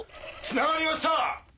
つながりました！